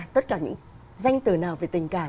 tất cả những danh từ nào về tình cảm